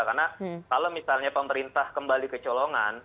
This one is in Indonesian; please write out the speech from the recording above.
karena kalau misalnya pemerintah kembali ke colongan